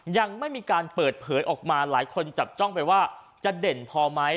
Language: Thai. ยังไม่มีการเปิดเผยออกมาหลายคนจับจ้องไปว่าจะเด่นพอไหม